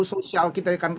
sosial kita akan